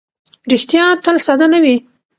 ریښتیا تل ساده نه وي.